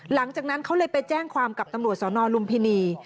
หลังจากนั้นเขาเลยไปแจ้งความกับตำรวจสนลุมพินี